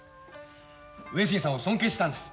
上杉さんを尊敬してたんです。